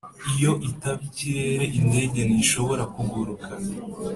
iyo itaba ikirere, indege ntishobora kuguruka.